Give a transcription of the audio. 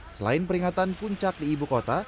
selain peringatan puncak di ibu kota